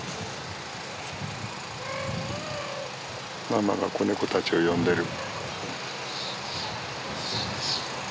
ママが子ネコたちを呼んでる。